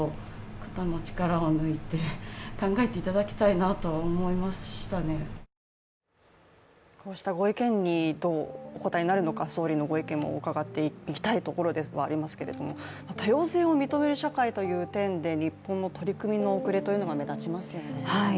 ２人の思いはこうしたご意見に、どうお答えになるのか総理のご意見も伺っていきたいところではありますけれども多様性を認める社会という点で日本の遅れが目立ちますよね。